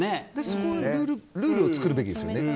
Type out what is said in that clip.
そこはルールを作るべきですよね。